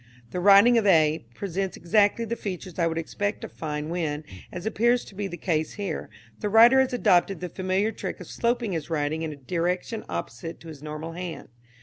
The writing of A presents exactly the features I would expect to find when, as appears to be the case here, the writer has adopted the familiar trick of sloping his writing in a direction opposite to his normal hand.